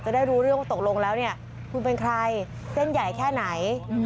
ได้รู้เรื่องว่าตกลงแล้วเนี่ยคุณเป็นใครเส้นใหญ่แค่ไหน